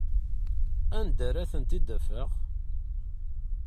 Anda ara tent-id-afeɣ?